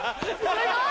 すごい！